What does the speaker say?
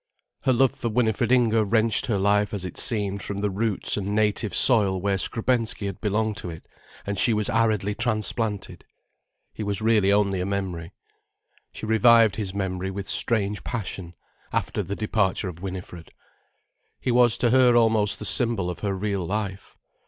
Her love for Winifred Inger wrenched her life as it seemed from the roots and native soil where Skrebensky had belonged to it, and she was aridly transplanted. He was really only a memory. She revived his memory with strange passion, after the departure of Winifred. He was to her almost the symbol of her real life.